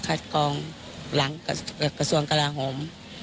คัดกรองหลังกระทรวงกราหม